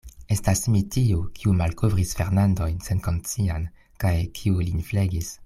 Estas mi tiu, kiu malkovris Fernandon senkonscian, kaj kiu lin flegis.